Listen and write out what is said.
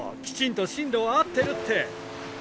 きちんと針路は合ってるって。